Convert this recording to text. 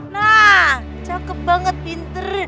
nah cakep banget pinter